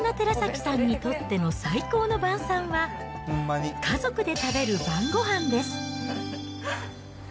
そんな寺崎さんにとっての最高の晩さんは、家族で食べる晩ごはんです。